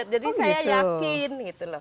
jadi saya yakin